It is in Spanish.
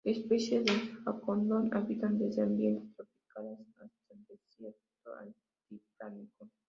Especies de "Akodon" habitan desde ambientes tropicales hasta el desierto altiplánico.